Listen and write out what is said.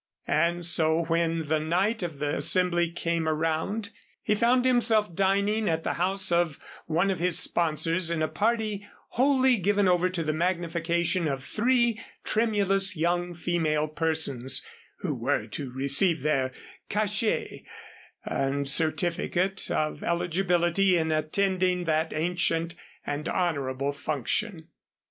And so when the night of the Assembly came around, he found himself dining at the house of one of his sponsors in a party wholly given over to the magnification of three tremulous young female persons, who were to receive their cachet and certificate of eligibility in attending that ancient and honorable function.